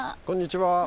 こんにちは。